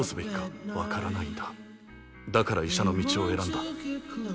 だから医者の道を選んだ。